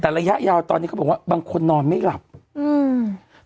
แต่ระยะยาวตอนนี้เขาบอกว่าบางคนนอนไม่หลับอืม